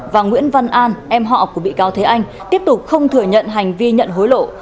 và nguyễn văn an em họ của bị cáo thế anh tiếp tục không thừa nhận hành vi nhận hối lộ